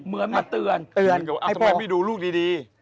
เหมือนมาเตือนให้เธอก็เพื่อทรงแสไปดูลูกดี